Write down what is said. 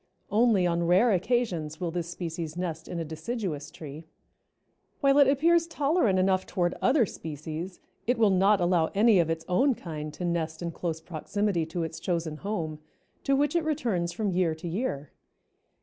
Only on rare occasions will this species nest in a deciduous tree. While it appears tolerant enough toward other species, it will not allow any of its own kind to nest in close proximity to its chosen home, to which it returns from year to year.